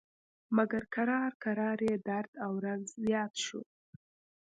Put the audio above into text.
مګر کرار کرار یې درد او رنځ زیات شو.